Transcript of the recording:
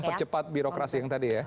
percepat birokrasi yang tadi ya